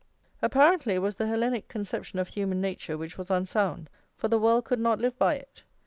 Apparently it was the Hellenic conception of human nature which was unsound, for the world could not live by it.